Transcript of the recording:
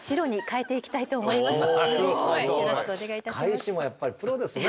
返しもやっぱりプロですね。